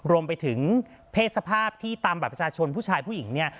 รวมไปถึงเพศสภาพที่ตามบัตรประชาชนผู้ชายผู้หญิงเนี่ย